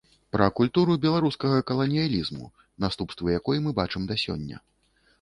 Пра культуру беларускага каланіялізму, наступствы якой мы бачым да сёння.